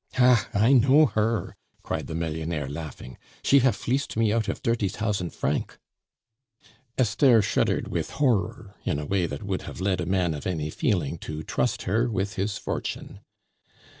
"Hah! I know her!" cried the millionaire, laughing. "She haf fleeced me out of dirty tousant franc." Esther shuddered with horror in a way that would have led a man of any feeling to trust her with his fortune.